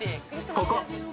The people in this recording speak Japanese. ここ？